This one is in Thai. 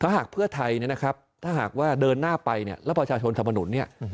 หากเพื่อไทยเนี่ยนะครับถ้าหากว่าเดินหน้าไปเนี่ยแล้วประชาชนทำถนนเนี่ย